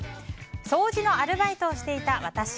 掃除のアルバイトをしていた私。